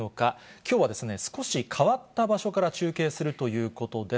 きょうは少し変わった場所から中継するということです。